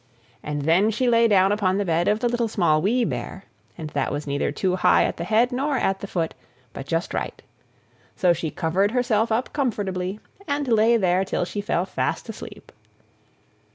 And then she lay down upon the bed of the Little, Small, Wee Bear; and that was neither too high at the head nor at the foot, but just right. So she covered herself up comfortably, and lay there till she fell fast asleep.